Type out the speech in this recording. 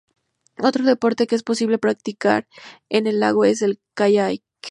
Otro deporte que es posible practicar en el lago es el kayak.